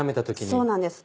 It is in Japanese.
そうなんです